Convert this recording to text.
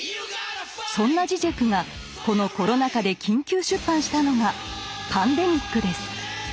そんなジジェクがこのコロナ禍で緊急出版したのが「パンデミック」です。